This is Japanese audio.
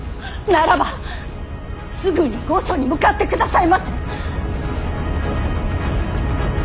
ならばすぐに御所に向かってくださいませ！